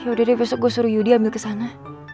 yaudah deh besok gue suruh yudi ambil kesana